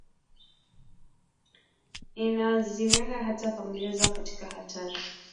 Inaziweka hata familia zao katika hatari